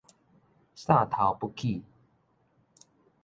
喢頭不起